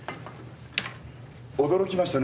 驚きましたね。